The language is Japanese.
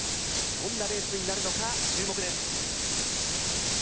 どんなレースになるのか注目です